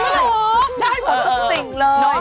ได้หมดก็เป็นสิ่งเลย